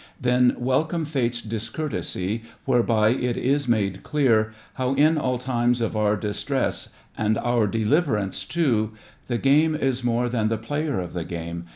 Then welcome Fate's discourtesy Whereby it is made clear How in all time of our distress And our deliverance too. The game is more than the player of the game.